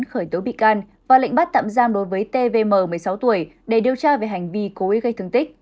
khởi tố bị can và lệnh bắt tạm giam đối với tvm một mươi sáu tuổi để điều tra về hành vi cố ý gây thương tích